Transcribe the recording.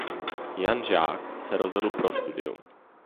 Jan Žák se rozhodl pro studium.